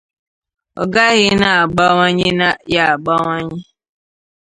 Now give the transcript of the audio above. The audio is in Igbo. ọ gaghị na-agbanwe ya agbanwe